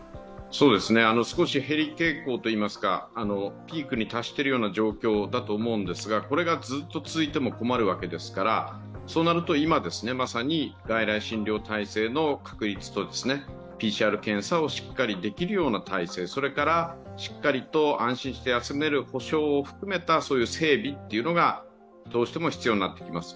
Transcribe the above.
少し減り傾向といいますかピークに達しているような状況だと思うんですが、これがずっと続いても困るわけですから、そうなると今、まさに外来診療体制の確立とＰＣＲ検査をしっかりできるような体制、それから、しっかりと安心して休める保障を休めた整備がどうしても必要になってきます。